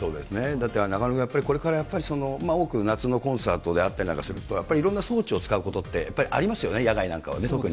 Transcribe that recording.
だって中丸君、これからやっぱり、多く夏のコンサートであったりなんかすると、いろんな装置を使うことってやっぱりありますよね、野外なんかはね、特に。